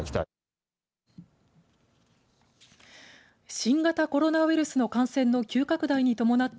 新型コロナウイルスの感染の急拡大に伴って